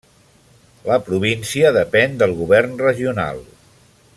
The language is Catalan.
La província depèn del govern regional.